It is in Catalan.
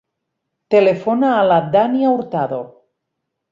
Telefona a la Dània Hurtado.